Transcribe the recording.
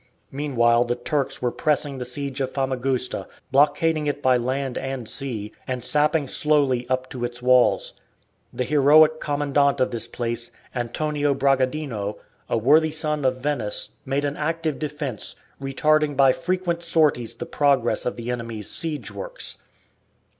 Meanwhile, the Turks were pressing the siege of Famagusta, blockading it by land and sea, and sapping slowly up to its walls. The heroic commandant of the place, Antonio Bragadino, a worthy son of Venice, made an active defence, retarding by frequent sorties the progress of the enemy's siege works.